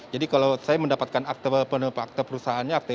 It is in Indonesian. jadi kalau saya mendapatkan akte perusahaannya